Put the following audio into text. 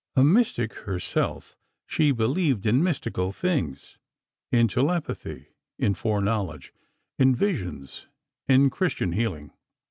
A mystic herself, she believed in mystical things—in telepathy, in foreknowledge, in visions, in Christian healing.